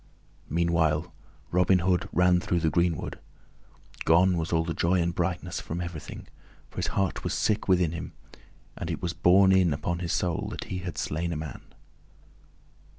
Meanwhile Robin Hood ran through the greenwood. Gone was all the joy and brightness from everything, for his heart was sick within him, and it was borne in upon his soul that he had slain a man.